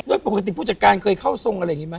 โดยปกติผู้จัดการเคยเข้าทรงอะไรอย่างนี้ไหม